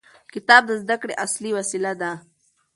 کتاب د زده کړې اصلي وسیله ده.